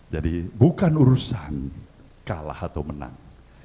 jadi bukan urusan kalah atau menang